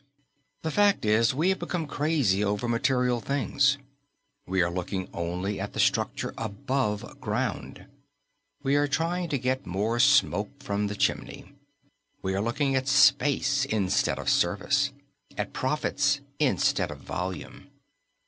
The fact is, we have become crazy over material things. We are looking only at the structure above ground. We are trying to get more smoke from the chimney. We are looking at space instead of service, at profits instead of volume.